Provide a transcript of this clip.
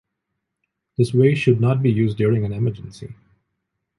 This way should not be used during an emergency.